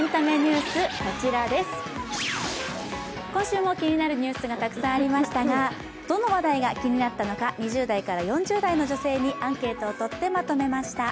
今週も気になるニュースがたくさんありましたがどの話題が気になったのか２０代から４０代の女性にアンケートを取ってまとめました。